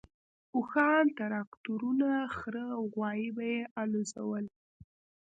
اوښان، تراکتورونه، خره او غوایي به یې الوزول.